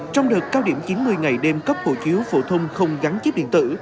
trong đợt cao điểm chín mươi ngày đêm cấp hộ chiếu phổ thông không gắn chip điện tử